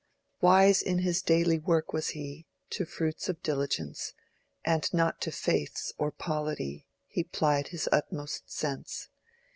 Wise in his daily work was he: To fruits of diligence, And not to faiths or polity, He plied his utmost sense.